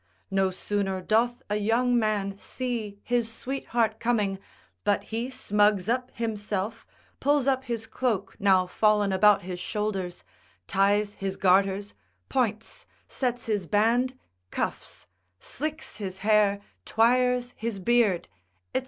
No sooner doth a young man see his sweetheart coming, but he smugs up himself, pulls up his cloak now fallen about his shoulders, ties his garters, points, sets his band, cuffs, slicks his hair, twires his beard, &c.